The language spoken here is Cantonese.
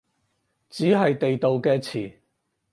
只係地道嘅詞